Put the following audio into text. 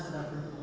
masa dulu pak